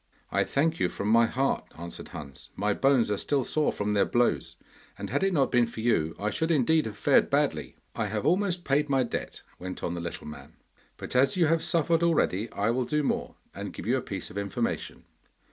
'I thank you from my heart,' answered Hans. 'My bones are still sore from their blows, and had it not been for you I should indeed have fared badly.' 'I have almost paid my debt,' went on the little man, 'but as you have suffered already, I will do more, and give you a piece of information.